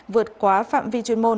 vượt quá phạm vi chuyên môn